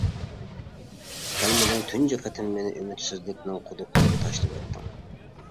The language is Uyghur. كەلمىدىڭ، تۇنجى قېتىم مېنى ئۈمىدسىزلىكنىڭ قۇدۇقلىرىغا تاشلىۋەتتىڭ.